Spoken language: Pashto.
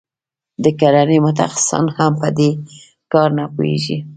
د کرنې متخصصان هم په دې کار نه پوهیږي.